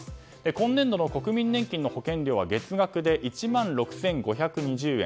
今年度の国民年金の保険料は月額１万６５２０円。